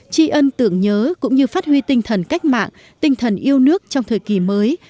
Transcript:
tri ân tưởng nhớ cũng như phát huy tinh thần cách mạng tinh thần yêu nước trong thời kỳ mới